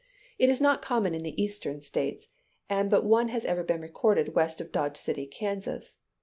It is not common in the eastern states, and but one has ever been recorded west of Dodge City, Kansas.